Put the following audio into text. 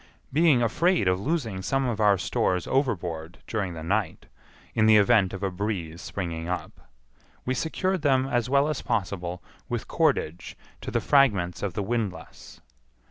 Being afraid of losing some of our stores overboard during the night, in the event of a breeze springing up, we secured them as well as possible with cordage to the fragments of the windlass.